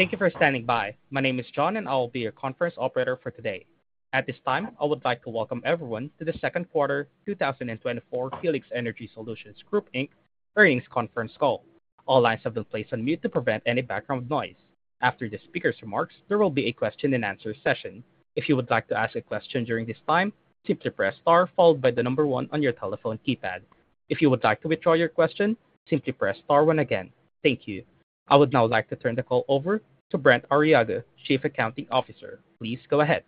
Thank you for standing by. My name is John, and I will be your conference operator for today. At this time, I would like to welcome everyone to the second quarter 2024 Helix Energy Solutions Group, Inc. earnings conference call. All lines have been placed on mute to prevent any background noise. After the speaker's remarks, there will be a question and answer session. If you would like to ask a question during this time, simply press star followed by the number one on your telephone keypad. If you would like to withdraw your question, simply press star one again. Thank you. I would now like to turn the call over to Brent Arriaga, Chief Accounting Officer. Please go ahead.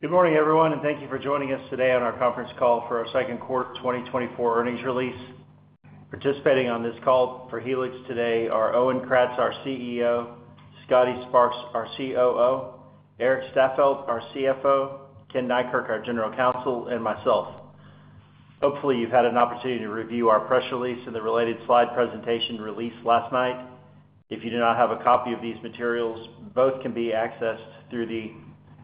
Good morning, everyone, and thank you for joining us today on our conference call for our second quarter 2024 earnings release. Participating on this call for Helix today are Owen Kratz, our CEO; Scotty Sparks, our COO; Erik Staffeldt, our CFO; Ken Neikirk, our General Counsel; and myself. Hopefully, you've had an opportunity to review our press release and the related slide presentation released last night. If you do not have a copy of these materials, both can be accessed through the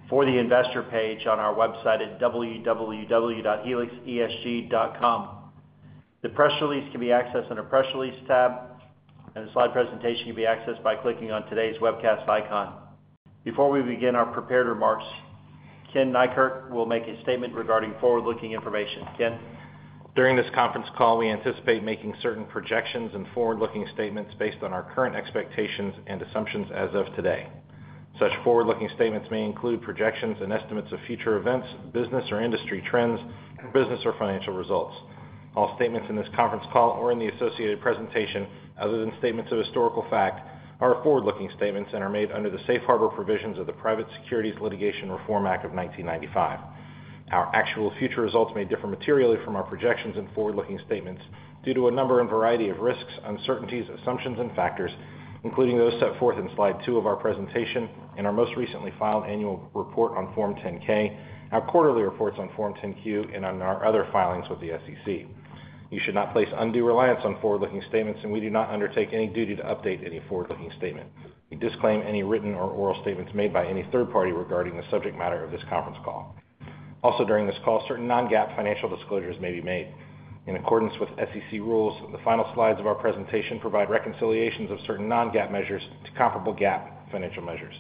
For the Investor page on our website at www.helixesg.com. The press release can be accessed on a Press Release tab, and the slide presentation can be accessed by clicking on today's webcast icon. Before we begin our prepared remarks, Ken Neikirk will make a statement regarding forward-looking information. Ken? During this conference call, we anticipate making certain projections and forward-looking statements based on our current expectations and assumptions as of today. Such forward-looking statements may include projections and estimates of future events, business or industry trends, business or financial results. All statements in this conference call or in the associated presentation, other than statements of historical fact, are forward-looking statements and are made under the Safe Harbor provisions of the Private Securities Litigation Reform Act of 1995. Our actual future results may differ materially from our projections and forward-looking statements due to a number and variety of risks, uncertainties, assumptions, and factors, including those set forth in slide two of our presentation and our most recently filed annual report on Form 10-K, our quarterly reports on Form 10-Q, and on our other filings with the SEC. You should not place undue reliance on forward-looking statements, and we do not undertake any duty to update any forward-looking statement. We disclaim any written or oral statements made by any third party regarding the subject matter of this conference call. Also, during this call, certain non-GAAP financial disclosures may be made. In accordance with SEC rules, the final slides of our presentation provide reconciliations of certain non-GAAP measures to comparable GAAP financial measures.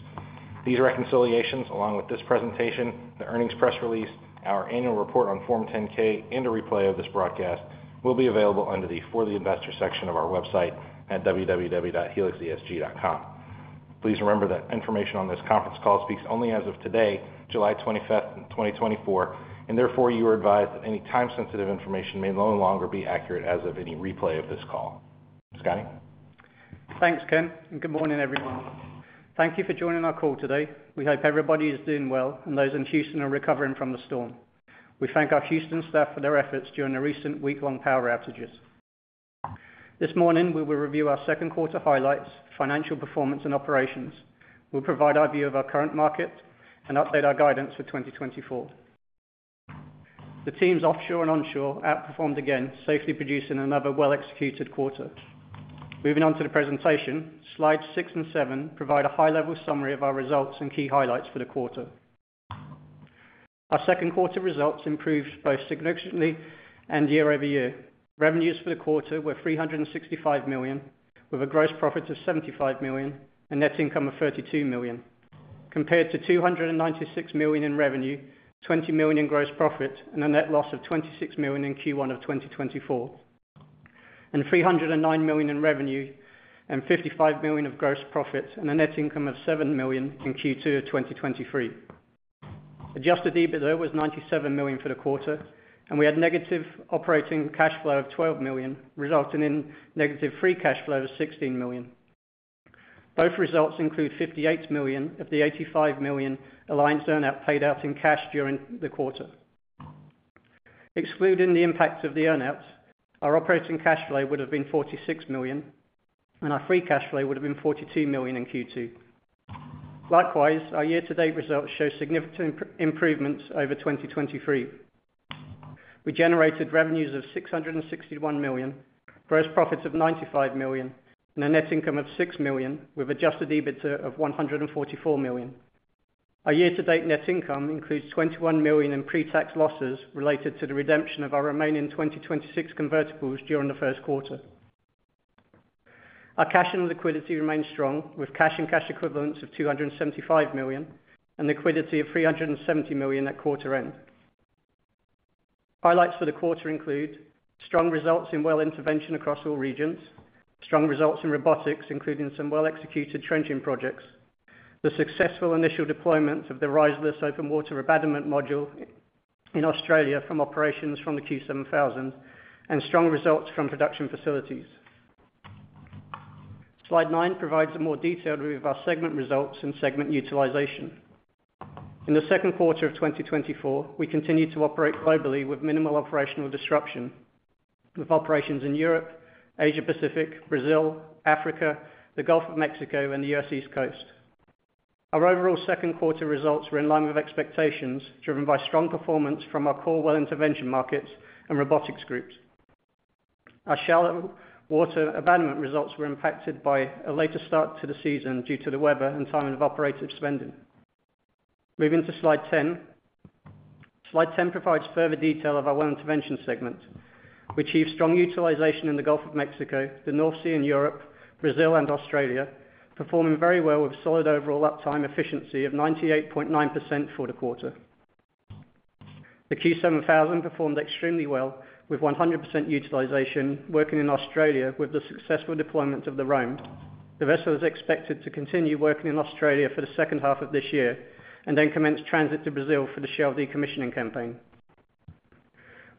These reconciliations, along with this presentation, the earnings press release, our annual report on Form 10-K, and a replay of this broadcast, will be available under the For the Investor section of our website at www.helixesg.com. Please remember that information on this conference call speaks only as of today, July 25, 2024, and therefore you are advised that any time-sensitive information may no longer be accurate as of any replay of this call. Scotty? Thanks, Ken, and good morning, everyone. Thank you for joining our call today. We hope everybody is doing well and those in Houston are recovering from the storm. We thank our Houston staff for their efforts during the recent week-long power outages. This morning, we will review our second quarter highlights, financial performance, and operations. We'll provide our view of our current market and update our guidance for 2024. The teams offshore and onshore outperformed again, safely producing another well-executed quarter. Moving on to the presentation, slides six and seven provide a high-level summary of our results and key highlights for the quarter. Our second quarter results improved both significantly and year-over-year. Revenues for the quarter were $365 million, with a gross profit of $75 million and net income of $32 million. Compared to $296 million in revenue, $20 million in gross profit, and a net loss of $26 million in Q1 of 2024, and $309 million in revenue and $55 million of gross profit, and a net income of $7 million in Q2 of 2023. Adjusted EBITDA was $97 million for the quarter, and we had negative operating cash flow of $12 million, resulting in negative free cash flow of $16 million. Both results include $58 million of the $85 million Alliance earn-out paid out in cash during the quarter. Excluding the impact of the earn-out, our operating cash flow would have been $46 million, and our free cash flow would have been $42 million in Q2. Likewise, our year-to-date results show significant improvements over 2023. We generated revenues of $661 million, gross profits of $95 million, and a net income of $6 million, with adjusted EBITDA of $144 million. Our year-to-date net income includes $21 million in pre-tax losses related to the redemption of our remaining 2026 convertibles during the first quarter. Our cash and liquidity remain strong, with cash and cash equivalents of $275 million, and liquidity of $370 million at quarter end. Highlights for the quarter include strong results in well intervention across all regions, strong results in robotics, including some well-executed trenching projects, the successful initial deployment of the Riserless Open-Water Abandonment Module in Australia from operations from the Q7000, and strong results from production facilities. Slide nine provides a more detailed review of our segment results and segment utilization. In the second quarter of 2024, we continued to operate globally with minimal operational disruption, with operations in Europe, Asia Pacific, Brazil, Africa, the Gulf of Mexico, and the US East Coast. Our overall second quarter results were in line with expectations, driven by strong performance from our core well intervention markets and robotics groups. Our shallow water abandonment results were impacted by a later start to the season due to the weather and timing of operating spending. Moving to slide 10. Slide 10 provides further detail of our well intervention segment. We achieved strong utilization in the Gulf of Mexico, the North Sea in Europe, Brazil, and Australia, performing very well with solid overall uptime efficiency of 98.9% for the quarter. The Q7000 performed extremely well, with 100% utilization, working in Australia with the successful deployment of the ROAM. The vessel is expected to continue working in Australia for the second half of this year, and then commence transit to Brazil for the Shell decommissioning campaign.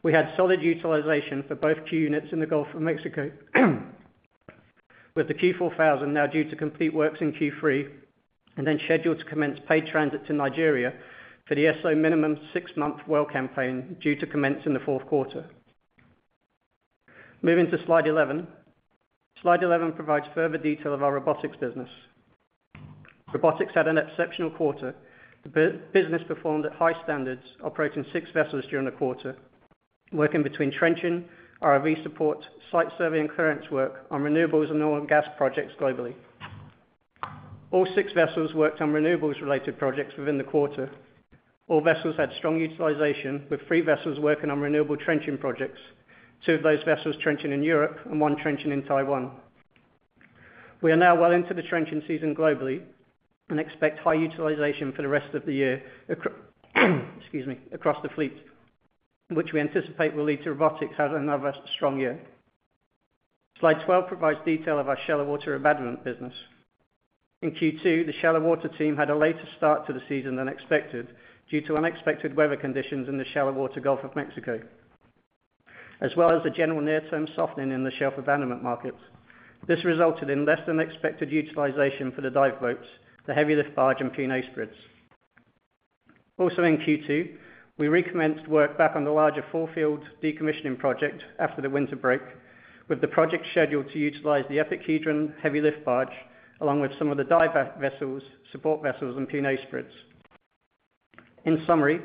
We had solid utilization for both Q units in the Gulf of Mexico, with the Q4000 now due to complete works in Q3, and then scheduled to commence paid transit to Nigeria for the ESSO minimum six month well campaign, due to commence in the fourth quarter. Moving to Slide 11. Slide 11 provides further detail of our robotics business. Robotics had an exceptional quarter. The business performed at high standards, operating six vessels during the quarter, working between trenching, ROV support, site survey and clearance work on renewables and oil and gas projects globally. All six vessels worked on renewables-related projects within the quarter. All vessels had strong utilization, with three vessels working on renewable trenching projects, two of those vessels trenching in Europe and one trenching in Taiwan. We are now well into the trenching season globally, and expect high utilization for the rest of the year, excuse me, across the fleet, which we anticipate will lead to robotics having another strong year. Slide 12 provides detail of our shallow water abandonment business. In Q2, the shallow water team had a later start to the season than expected, due to unexpected weather conditions in the shallow water Gulf of Mexico, as well as the general near-term softening in the shelf abandonment markets. This resulted in less than expected utilization for the dive boats, the heavy lift barge, and P&A spreads. Also in Q2, we recommenced work back on the larger four-field decommissioning project after the winter break, with the project scheduled to utilize the EPIC Hedron heavy lift barge, along with some of the dive vessels, support vessels, and P&A spreads. In summary,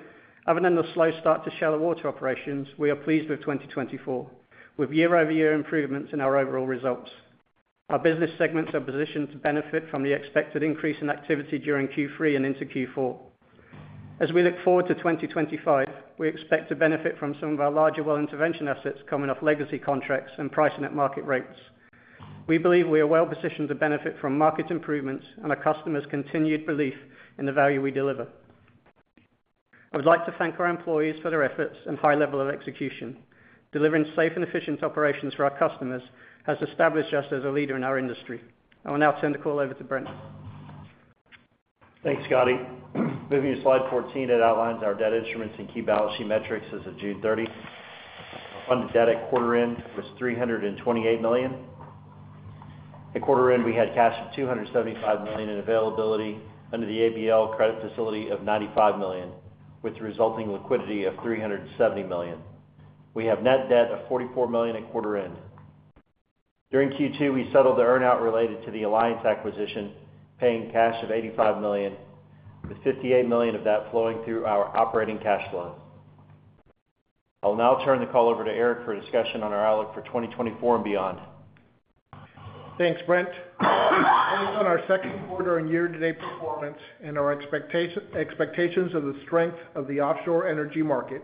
other than the slow start to shallow water operations, we are pleased with 2024, with year-over-year improvements in our overall results. Our business segments are positioned to benefit from the expected increase in activity during Q3 and into Q4. As we look forward to 2025, we expect to benefit from some of our larger well intervention assets coming off legacy contracts and pricing at market rates. We believe we are well positioned to benefit from market improvements and our customers' continued belief in the value we deliver. I would like to thank our employees for their efforts and high level of execution. Delivering safe and efficient operations for our customers has established us as a leader in our industry. I will now turn the call over to Brent. Thanks, Scotty. Moving to Slide 14, that outlines our debt instruments and key balancing metrics as of June 30. Our funded debt at quarter end was $328 million. At quarter end, we had cash of $275 million in availability under the ABL Credit Facility of $95 million, with resulting liquidity of $370 million. We have net debt of $44 million at quarter end. During Q2, we settled the earn-out related to the Alliance acquisition, paying cash of $85 million, with $58 million of that flowing through our operating cash flow. I'll now turn the call over to Erik for a discussion on our outlook for 2024 and beyond. Thanks, Brent. Based on our second quarter and year-to-date performance and our expectations of the strength of the offshore energy market,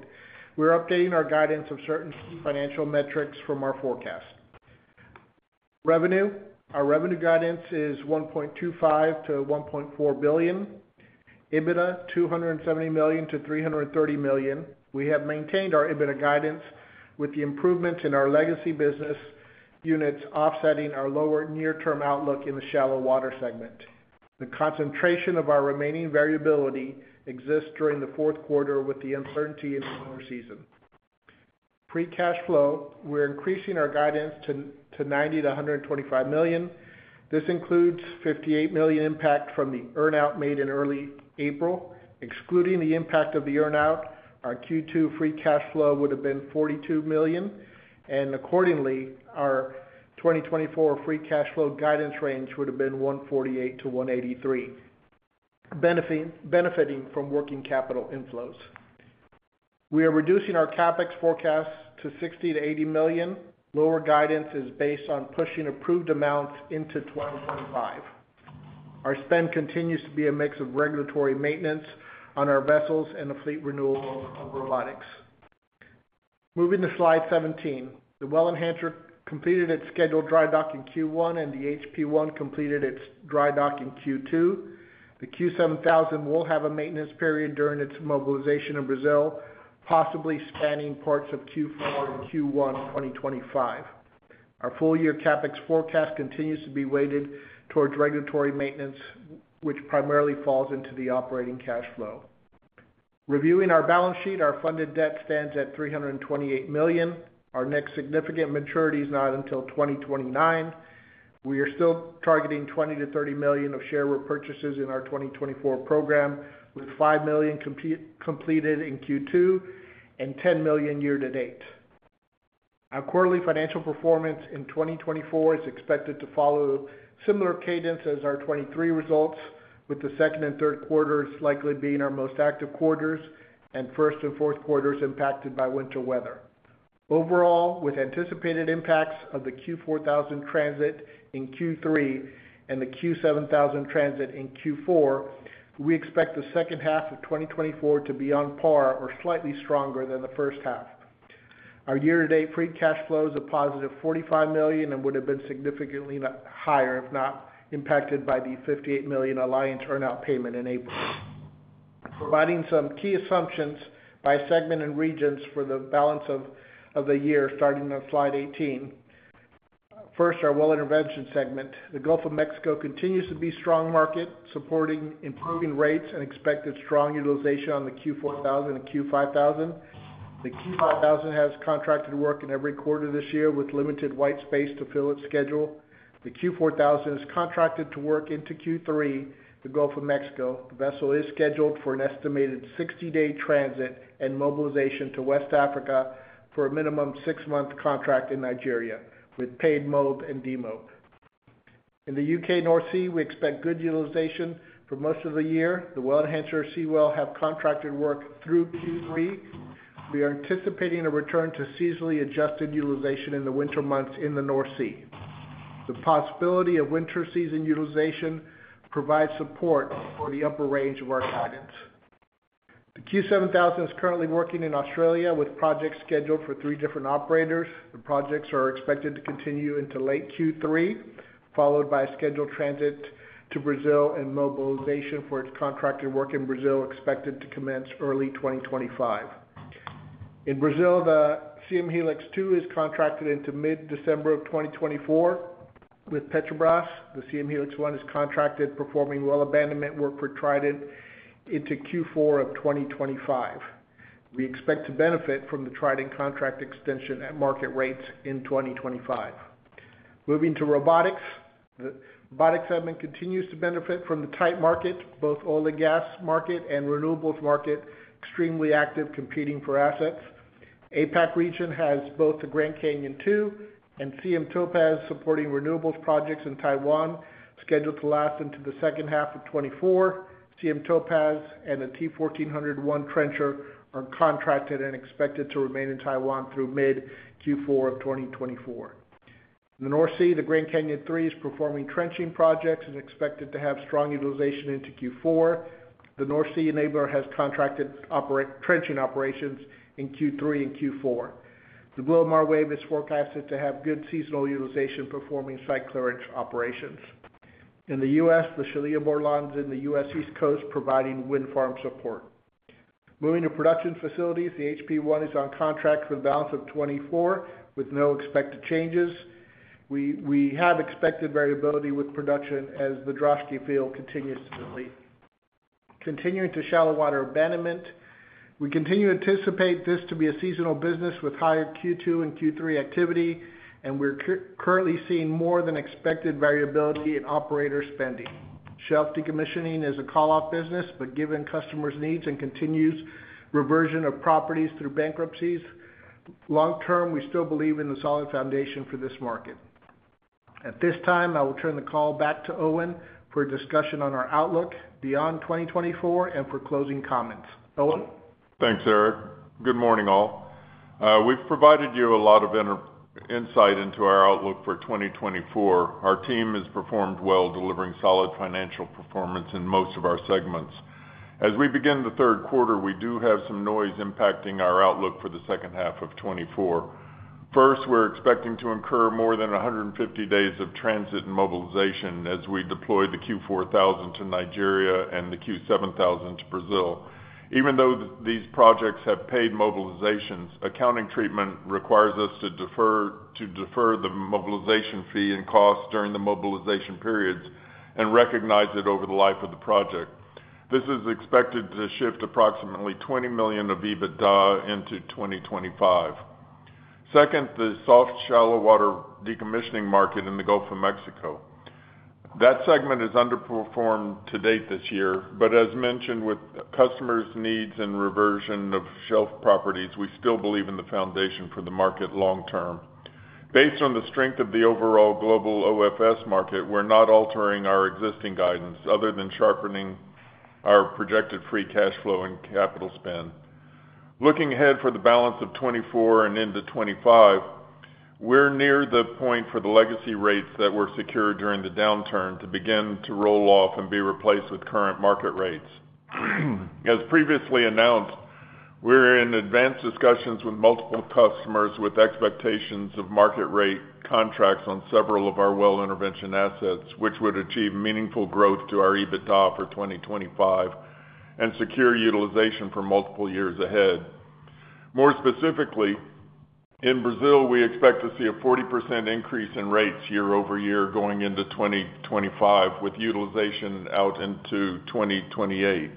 we're updating our guidance of certain key financial metrics from our forecast. Revenue. Our revenue guidance is $1.25 billion-$1.4 billion. EBITDA, $270 million-$330 million. We have maintained our EBITDA guidance with the improvements in our legacy business units offsetting our lower near-term outlook in the shallow water segment. The concentration of our remaining variability exists during the fourth quarter with the uncertainty in the winter season. Free cash flow, we're increasing our guidance to $90 million-$125 million. This includes $58 million impact from the earn-out made in early April. Excluding the impact of the earn-out, our Q2 free cash flow would have been $42 million, and accordingly, our 2024 free cash flow guidance range would have been $148 million-$183 million, benefiting from working capital inflows. We are reducing our CapEx forecast to $60 million-$80 million. Lower guidance is based on pushing approved amounts into 2025. Our spend continues to be a mix of regulatory maintenance on our vessels and the fleet renewal of robotics. Moving to Slide 17. The Well Enhancer completed its scheduled dry dock in Q1, and the HP1 completed its dry dock in Q2. The Q7000 will have a maintenance period during its mobilization in Brazil, possibly spanning parts of Q4 and Q1 2025. Our full-year CapEx forecast continues to be weighted towards regulatory maintenance, which primarily falls into the operating cash flow. Reviewing our balance sheet, our funded debt stands at $328 million. Our next significant maturity is not until 2029. We are still targeting $20 million-$30 million of share repurchases in our 2024 program, with $5 million completed in Q2, and $10 million year to date. Our quarterly financial performance in 2024 is expected to follow similar cadence as our 2023 results, with the second and third quarters likely being our most active quarters, and first and fourth quarters impacted by winter weather. Overall, with anticipated impacts of the Q4000 transit in Q3 and the Q7000 transit in Q4, we expect the second half of 2024 to be on par or slightly stronger than the first half. Our year-to-date free cash flow is a positive $45 million, and would have been significantly not higher, if not impacted by the $58 million Alliance earn-out payment in April. Providing some key assumptions by segment and regions for the balance of the year, starting on slide 18. First, our Well Intervention segment. The Gulf of Mexico continues to be a strong market, supporting improving rates and expected strong utilization on the Q4000 and Q5000. The Q5000 has contracted work in every quarter this year, with limited white space to fill its schedule. The Q4000 is contracted to work into Q3, the Gulf of Mexico. The vessel is scheduled for an estimated 60-day transit and mobilization to West Africa for a minimum six month contract in Nigeria, with paid mob and demob. In the U.K. North Sea, we expect good utilization for most of the year. The Well Enhancer, Seawell, have contracted work through Q3. We are anticipating a return to seasonally adjusted utilization in the winter months in the North Sea. The possibility of winter season utilization provides support for the upper range of our guidance. The Q7000 is currently working in Australia with projects scheduled for three different operators. The projects are expected to continue into late Q3, followed by a scheduled transit to Brazil and mobilization for its contracted work in Brazil, expected to commence early 2025. In Brazil, the Siem Helix 2 is contracted into mid-December 2024 with Petrobras. The Siem Helix 1 is contracted, performing well abandonment work for Trident into Q4 of 2025. We expect to benefit from the Trident contract extension at market rates in 2025. Moving to robotics. The robotics segment continues to benefit from the tight market, both oil and gas market and renewables market, extremely active, competing for assets. APAC region has both the Grand Canyon II and Siem Topaz, supporting renewables projects in Taiwan, scheduled to last into the second half of 2024. Siem Topaz and the T1400-1 Trencher are contracted and expected to remain in Taiwan through mid Q4 of 2024. In the North Sea, the Grand Canyon III is performing trenching projects and expected to have strong utilization into Q4. The North Sea Enabler has contracted trenching operations in Q3 and Q4. The Glomar Wave is forecasted to have good seasonal utilization, performing site clearance operations. In the U.S., the Shelia Bordelon is in the U.S. East Coast, providing wind farm support. Moving to production facilities, the HP1 is on contract for the balance of 2024, with no expected changes. We have expected variability with production as the Droshky field continues to deplete. Continuing to shallow water abandonment, we continue to anticipate this to be a seasonal business with higher Q2 and Q3 activity, and we're currently seeing more than expected variability in operator spending. Shelf decommissioning is a call-off business, but given customers' needs and continues reversion of properties through bankruptcies, long-term, we still believe in the solid foundation for this market. At this time, I will turn the call back to Owen for a discussion on our outlook beyond 2024 and for closing comments. Owen? Thanks, Erik. Good morning, all. We've provided you a lot of insight into our outlook for 2024. Our team has performed well, delivering solid financial performance in most of our segments. As we begin the third quarter, we do have some noise impacting our outlook for the second half of 2024. First, we're expecting to incur more than 150 days of transit and mobilization as we deploy the Q4000 to Nigeria and the Q7000 to Brazil. Even though these projects have paid mobilizations, accounting treatment requires us to defer the mobilization fee and costs during the mobilization periods and recognize it over the life of the project. This is expected to shift approximately $20 million of EBITDA into 2025. Second, the soft, shallow water decommissioning market in the Gulf of Mexico. That segment has underperformed to date this year, but as mentioned, with customers' needs and reversion of shelf properties, we still believe in the foundation for the market long term. Based on the strength of the overall global OFS market, we're not altering our existing guidance, other than sharpening our projected free cash flow and capital spend. Looking ahead for the balance of 2024 and into 2025, we're near the point for the legacy rates that were secured during the downturn to begin to roll off and be replaced with current market rates. As previously announced, we're in advanced discussions with multiple customers with expectations of market rate contracts on several of our well intervention assets, which would achieve meaningful growth to our EBITDA for 2025 and secure utilization for multiple years ahead. More specifically, in Brazil, we expect to see a 40% increase in rates year-over-year going into 2025, with utilization out into 2028.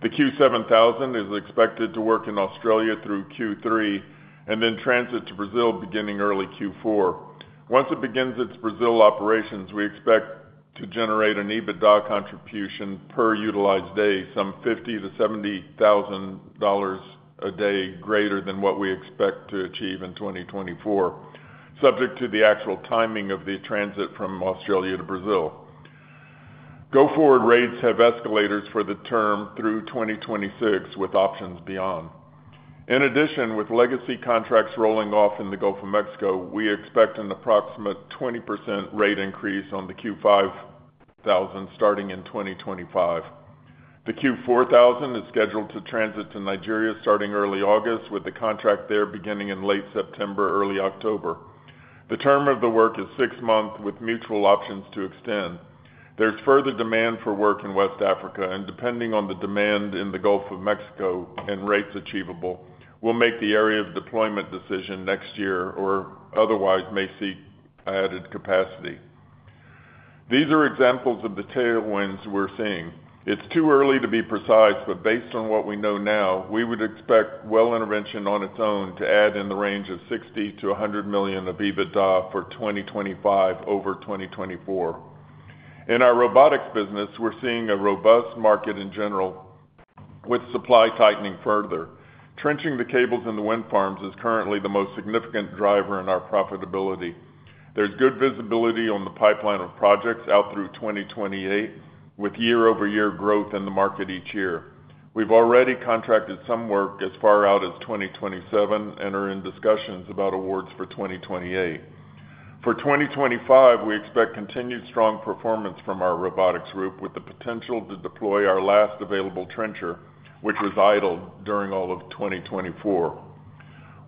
The Q7000 is expected to work in Australia through Q3, and then transit to Brazil beginning early Q4. Once it begins its Brazil operations, we expect to generate an EBITDA contribution per utilized day, some $50,000-$70,000 a day greater than what we expect to achieve in 2024, subject to the actual timing of the transit from Australia to Brazil. Going forward rates have escalators for the term through 2026, with options beyond. In addition, with legacy contracts rolling off in the Gulf of Mexico, we expect an approximate 20% rate increase on the Q5000, starting in 2025. The Q4000 is scheduled to transit to Nigeria starting early August, with the contract there beginning in late September, early October. The term of the work is six months, with mutual options to extend. There's further demand for work in West Africa, and depending on the demand in the Gulf of Mexico and rates achievable, we'll make the area of deployment decision next year, or otherwise may seek added capacity. These are examples of the tailwinds we're seeing. It's too early to be precise, but based on what we know now, we would expect well intervention on its own to add in the range of $60 million-$100 million of EBITDA for 2025 over 2024. In our robotics business, we're seeing a robust market in general, with supply tightening further. Trenching the cables in the wind farms is currently the most significant driver in our profitability. There's good visibility on the pipeline of projects out through 2028, with year-over-year growth in the market each year. We've already contracted some work as far out as 2027 and are in discussions about awards for 2028. For 2025, we expect continued strong performance from our robotics group, with the potential to deploy our last available trencher, which was idled during all of 2024.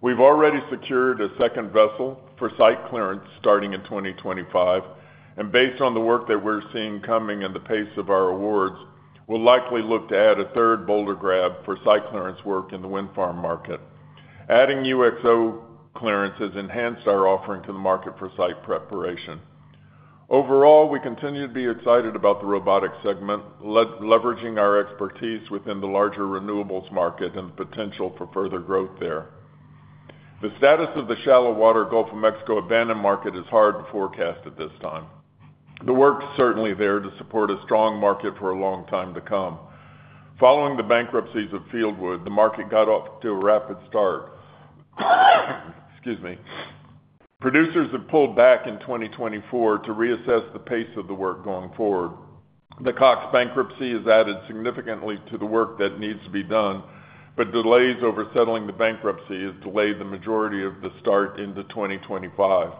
We've already secured a second vessel for site clearance starting in 2025, and based on the work that we're seeing coming and the pace of our awards, we'll likely look to add a third boulder grab for site clearance work in the wind farm market. Adding UXO clearance has enhanced our offering to the market for site preparation. Overall, we continue to be excited about the robotics segment, leveraging our expertise within the larger renewables market and the potential for further growth there. The status of the shallow water Gulf of Mexico abandoned market is hard to forecast at this time. The work's certainly there to support a strong market for a long time to come. Following the bankruptcies of Fieldwood, the market got off to a rapid start. Excuse me. Producers have pulled back in 2024 to reassess the pace of the work going forward. The Cox bankruptcy has added significantly to the work that needs to be done, but delays over settling the bankruptcy has delayed the majority of the start into 2025.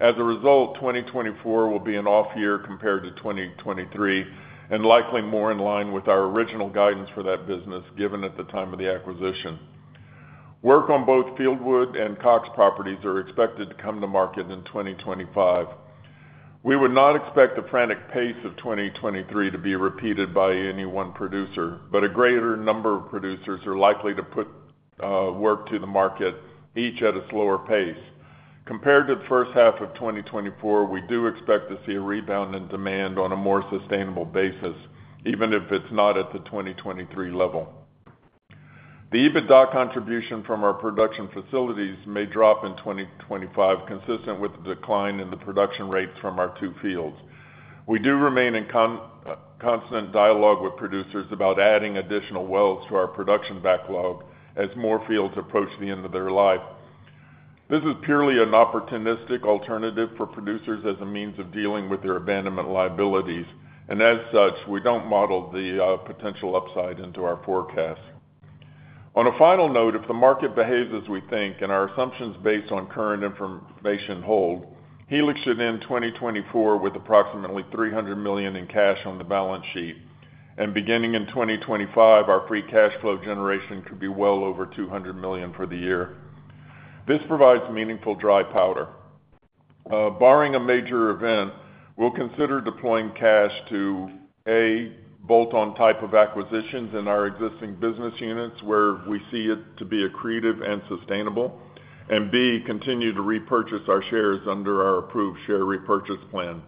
As a result, 2024 will be an off year compared to 2023, and likely more in line with our original guidance for that business, given at the time of the acquisition. Work on both Fieldwood and Cox properties are expected to come to market in 2025. We would not expect the frantic pace of 2023 to be repeated by any one producer, but a greater number of producers are likely to put work to the market, each at a slower pace. Compared to the first half of 2024, we do expect to see a rebound in demand on a more sustainable basis, even if it's not at the 2023 level. The EBITDA contribution from our production facilities may drop in 2025, consistent with the decline in the production rates from our two fields. We do remain in constant dialogue with producers about adding additional wells to our production backlog as more fields approach the end of their life. This is purely an opportunistic alternative for producers as a means of dealing with their abandonment liabilities, and as such, we don't model the potential upside into our forecast. On a final note, if the market behaves as we think and our assumptions based on current information hold, Helix should end 2024 with approximately $300 million in cash on the balance sheet. And beginning in 2025, our free cash flow generation could be well over $200 million for the year. This provides meaningful dry powder. Barring a major event, we'll consider deploying cash to, A, bolt-on type of acquisitions in our existing business units, where we see it to be accretive and sustainable, and B, continue to repurchase our shares under our approved share repurchase plan.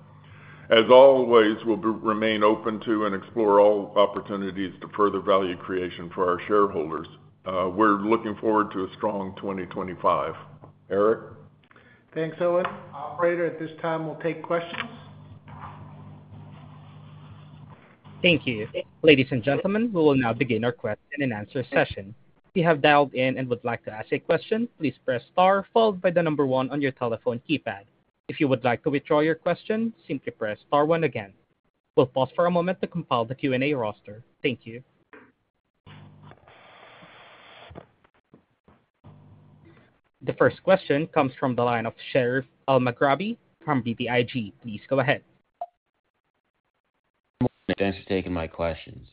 As always, we'll remain open to and explore all opportunities to further value creation for our shareholders. We're looking forward to a strong 2025. Erik? Thanks, Owen. Operator, at this time, we'll take questions. Thank you. Ladies and gentlemen, we will now begin our question and answer session. If you have dialed in and would like to ask a question, please press star, followed by the number one on your telephone keypad. If you would like to withdraw your question, simply press star one again. We'll pause for a moment to compile the Q&A roster. Thank you. The first question comes from the line of Sherif Elmaghrabi from BTIG. Please go ahead. Good morning. Thanks for taking my questions.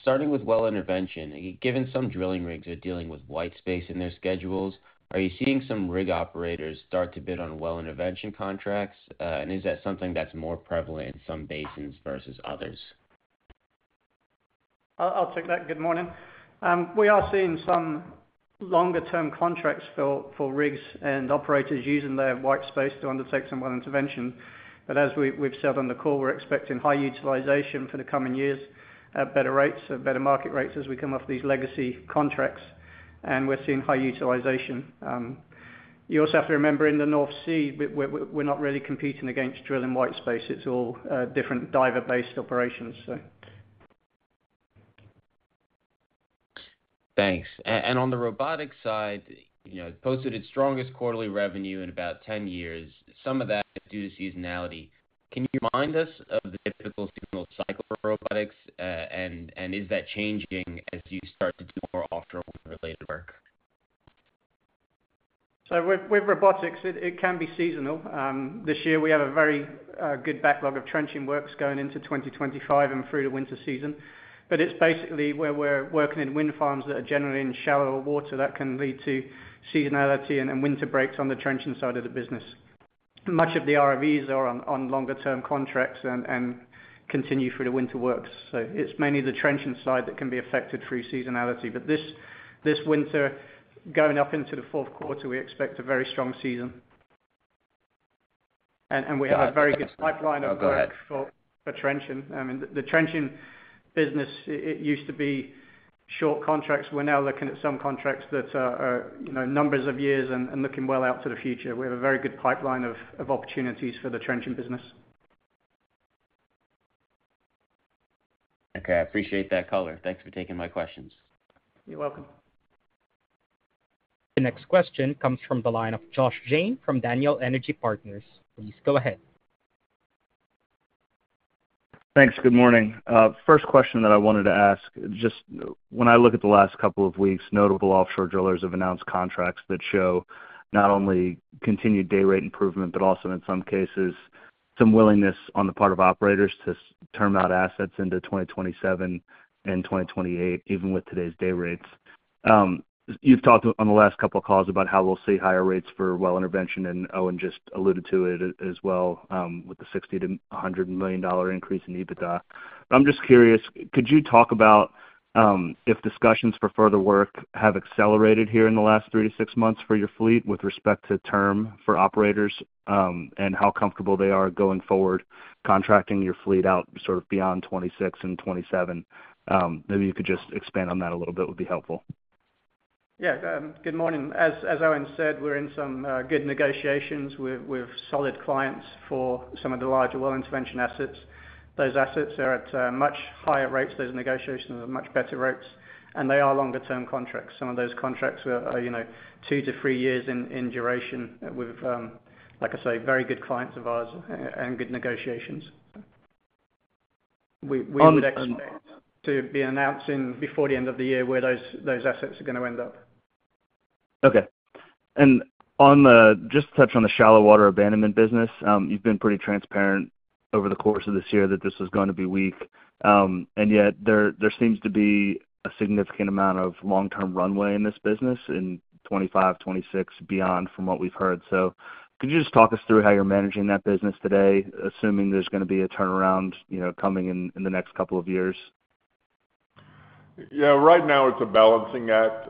Starting with well intervention, given some drilling rigs are dealing with white space in their schedules, are you seeing some rig operators start to bid on well intervention contracts? And is that something that's more prevalent in some basins versus others? I'll take that. Good morning. We are seeing some longer-term contracts for rigs and operators using their white space to undertake some well intervention. But as we've said on the call, we're expecting high utilization for the coming years at better rates, at better market rates, as we come off these legacy contracts, and we're seeing high utilization. You also have to remember, in the North Sea, we're not really competing against drilling white space. It's all different diver-based operations, so. Thanks. And on the robotics side, you know, posted its strongest quarterly revenue in about 10 years, some of that due to seasonality. Can you remind us of the typical seasonal cycle for robotics? And is that changing as you start to do more offshore-related work? With robotics, it can be seasonal. This year, we have a very good backlog of trenching works going into 2025 and through the winter season. But it's basically where we're working in wind farms that are generally in shallower water that can lead to seasonality and winter breaks on the trenching side of the business. Much of the ROVs are on longer term contracts and continue through the winter works. So it's mainly the trenching side that can be affected through seasonality. But this winter, going up into the fourth quarter, we expect a very strong season. And we have a very good pipeline- Oh, go ahead. For trenching. I mean, the trenching business, it used to be short contracts. We're now looking at some contracts that are, you know, numbers of years and looking well out to the future. We have a very good pipeline of opportunities for the trenching business. Okay, I appreciate that color. Thanks for taking my questions. You're welcome. The next question comes from the line of Josh Jayne from Daniel Energy Partners. Please go ahead. Thanks. Good morning. First question that I wanted to ask, just when I look at the last couple of weeks, notable offshore drillers have announced contracts that show not only continued dayrate improvement, but also, in some cases, some willingness on the part of operators to term out assets into 2027 and 2028, even with today's dayrates. You've talked on the last couple of calls about how we'll see higher rates for well intervention, and Owen just alluded to it as well, with the $60 million-$100 million increase in EBITDA. I'm just curious, could you talk about, if discussions for further work have accelerated here in the last three to six months for your fleet with respect to term for operators, and how comfortable they are going forward, contracting your fleet out sort of beyond 2026 and 2027? Maybe you could just expand on that a little bit, would be helpful. Yeah. Good morning. As Owen said, we're in some good negotiations with solid clients for some of the larger well intervention assets. Those assets are at much higher rates. Those negotiations are much better rates, and they are longer term contracts. Some of those contracts are, you know, two to three years in duration with, like I say, very good clients of ours and good negotiations. We-On We would expect to be announcing before the end of the year where those assets are gonna end up. Okay. And on the, just touch on the Shallow Water Abandonment business. You've been pretty transparent over the course of this year that this was gonna be weak. And yet there, there seems to be a significant amount of long-term runway in this business in 2025, 2026, beyond from what we've heard. So could you just talk us through how you're managing that business today, assuming there's gonna be a turnaround, you know, coming in, in the next couple of years? Yeah. Right now, it's a balancing act.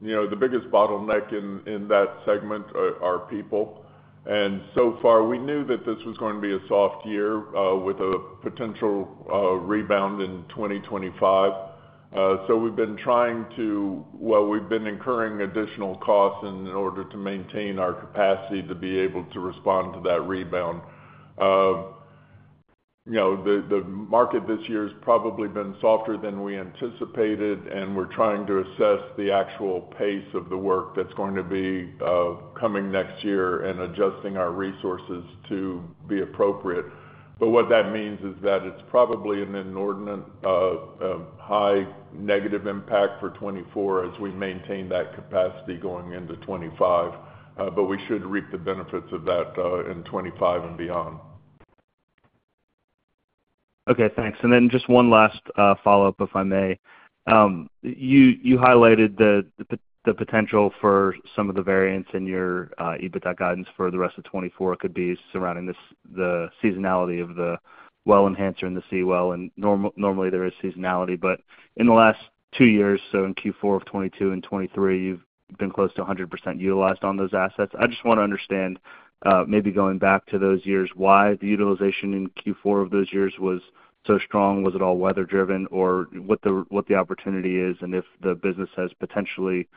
You know, the biggest bottleneck in that segment are people. And so far, we knew that this was going to be a soft year with a potential rebound in 2025. So we've been trying to... Well, we've been incurring additional costs in order to maintain our capacity to be able to respond to that rebound. You know, the market this year has probably been softer than we anticipated, and we're trying to assess the actual pace of the work that's going to be coming next year and adjusting our resources to be appropriate. But what that means is that it's probably an inordinate high negative impact for 2024 as we maintain that capacity going into 2025, but we should reap the benefits of that in 2025 and beyond. Okay, thanks. Then just one last follow-up, if I may. You highlighted the potential for some of the variance in your EBITDA guidance for the rest of 2024 could be surrounding this, the seasonality of the Well Enhancer and the Seawell, and normally, there is seasonality. But in the last two years, so in Q4 of 2022 and 2023, you've been close to 100% utilized on those assets. I just want to understand, maybe going back to those years, why the utilization in Q4 of those years was so strong? Was it all weather driven, or what the opportunity is, and if the business has potentially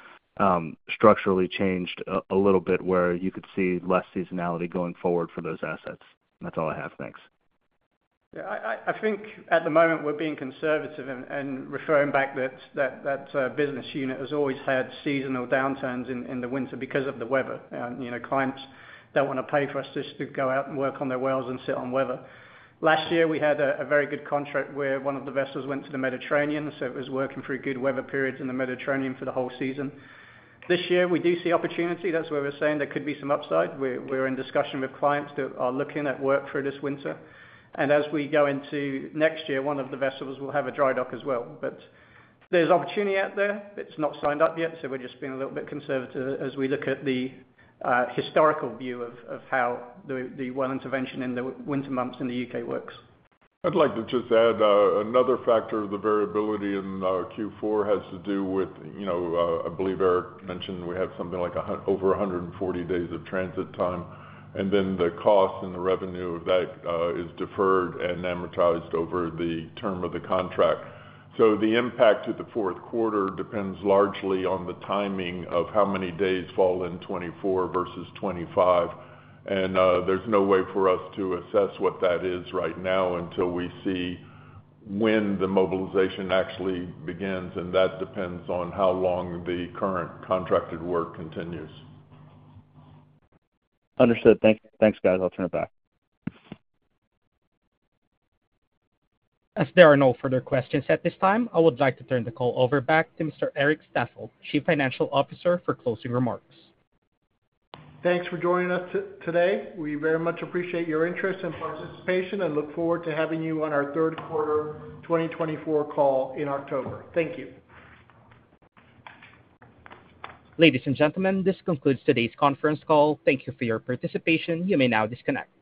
structurally changed a little bit, where you could see less seasonality going forward for those assets? That's all I have. Thanks. Yeah, I think at the moment, we're being conservative and referring back that business unit has always had seasonal downturns in the winter because of the weather. You know, clients don't wanna pay for us just to go out and work on their wells and sit on weather. Last year, we had a very good contract where one of the vessels went to the Mediterranean, so it was working through good weather periods in the Mediterranean for the whole season. This year, we do see opportunity. That's why we're saying there could be some upside. We're in discussion with clients that are looking at work through this winter. And as we go into next year, one of the vessels will have a dry dock as well. But there's opportunity out there. It's not signed up yet, so we're just being a little bit conservative as we look at the historical view of how the well intervention in the winter months in the U.K. works. I'd like to just add another factor of the variability in Q4 has to do with, you know, I believe Erik mentioned we have something like over 140 days of transit time, and then the cost and the revenue of that is deferred and amortized over the term of the contract. So the impact to the fourth quarter depends largely on the timing of how many days fall in 2024 versus 2025. And there's no way for us to assess what that is right now until we see when the mobilization actually begins, and that depends on how long the current contracted work continues. Understood. Thanks, guys. I'll turn it back. As there are no further questions at this time, I would like to turn the call over back to Mr. Erik Staffeldt, Chief Financial Officer, for closing remarks. Thanks for joining us today. We very much appreciate your interest and participation, and look forward to having you on our third quarter 2024 call in October. Thank you. Ladies and gentlemen, this concludes today's conference call. Thank you for your participation. You may now disconnect.